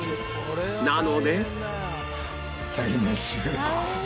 なので